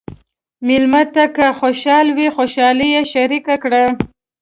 مېلمه ته که خوشحال وي، خوشالي یې شریکه کړه.